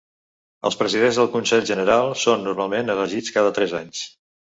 Els presidents del Consell General són normalment elegits cada tres anys.